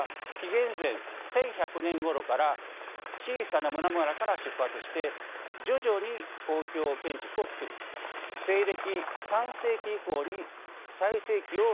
１１００年ごろから小さな村々から出発して徐々に公共建築を造り西暦３世紀以降に最盛期を迎えたとされていました。